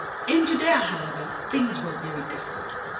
In Judea, however, things were very differ ent.